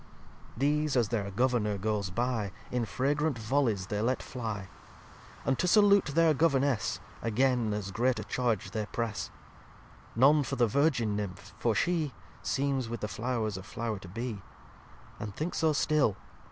xxxviii These, as their Governour goes by, In fragrant Vollyes they let fly; And to salute their Governess Again as great a charge they press: None for the Virgin Nymph; for She Seems with the Flow'rs a Flow'r to be. And think so still!